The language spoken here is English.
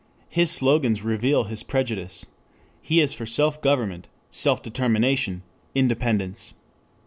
His slogans reveal his prejudice. He is for Self Government, Self Determination, Independence.